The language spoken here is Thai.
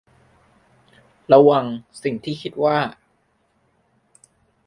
ระวังสิ่งที่คิดว่า